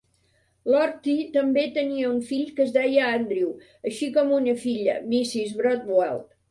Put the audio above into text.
Lortie també tenia un fill que es deia Andrew, així com una filla, Mrs. Brodbelt.